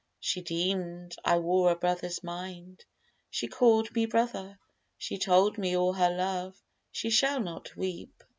she deem'd I wore a brother's mind: she call'd me brother: She told me all her love: she shall not weep.